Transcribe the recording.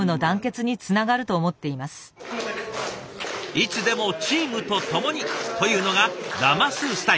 「いつでもチームと共に！」というのがラマススタイル。